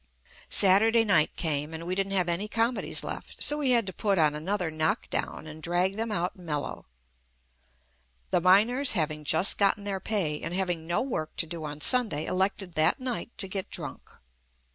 Saturday night came and we didn't have any comedies left, so we had to put on another knock down, and drag them out melo. The miners having just gotten their pay, and hav ing no work to do on Sunday elected that night to get drunk.